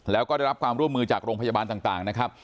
แล้วก็ได้รับความร่วมมือจากโรงพยาบาลต่างนะครับ